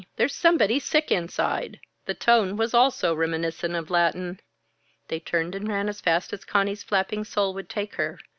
There's somebody sick inside." The tone also was reminiscent of Latin. They turned and ran as fast as Conny's flapping sole would take her.